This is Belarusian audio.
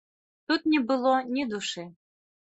Тут не было ні душы.